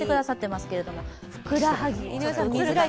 ふくらはぎ。